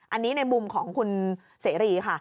อันนี้ในมุมของคุณเสรีค่ะ